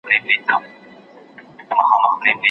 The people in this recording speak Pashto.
احساساتي پرېکړې ټولنې ته زیان رسوي.